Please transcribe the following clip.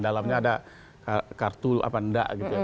dalamnya ada kartu apa tidak